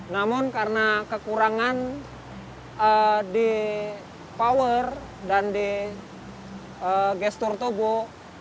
namun karena kekurangan di power dan di gestur tubuh